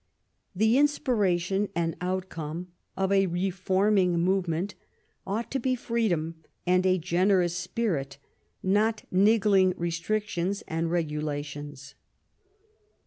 The inspiration and outcome of a reforming movement ought to be freedom and a generous spirit, not niggling restrictions and regulations.